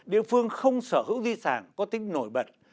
địa phương không sở hữu di sản có tính nổi bật